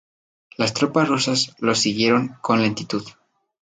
Las tropas rusas los siguieron con lentitud.